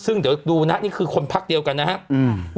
ซึ่งเดี๋ยวดูนะนี่คือคนพักเดียวกันนะครับ